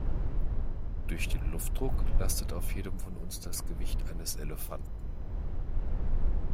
Durch den Luftdruck lastet auf jedem von uns das Gewicht eines Elefanten.